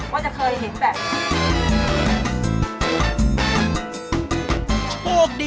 ไม่เคยคิดมาก่อนว่าจะเคยเห็นแบบนี้